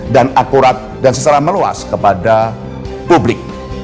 dan akurat dan secara meluas kepada publik